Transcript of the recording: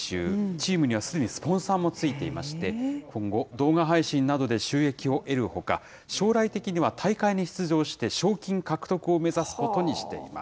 チームにはすでにスポンサーもついていまして、今後、動画配信などで収益を得るほか、将来的には大会に出場して賞金獲得を目指すことにしています。